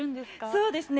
そうですね。